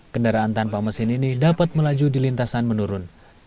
kendaraan tanpa mesin ini dapat melaju di lintasan menurun